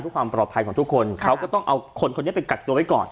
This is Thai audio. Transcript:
เพื่อความปลอดภัยของทุกคนเขาก็ต้องเอาคนคนนี้ไปกักตัวไว้ก่อน